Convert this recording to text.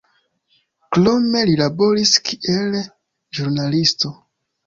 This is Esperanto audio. Krome li laboris kiel ĵurnalisto.